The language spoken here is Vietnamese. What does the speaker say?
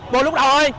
buồn lúc đầu thôi